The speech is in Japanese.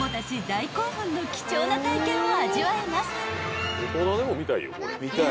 大興奮の貴重な体験を味わえます］